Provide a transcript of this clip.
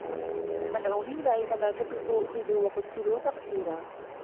مَلعونينَ أَينَما ثُقِفوا أُخِذوا وَقُتِّلوا تَقتيلًا